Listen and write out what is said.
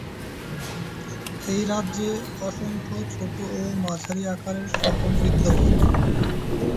এই রাজ্যে অসংখ্য ছোটো ও মাঝারি আকারের শহর বিদ্যমান।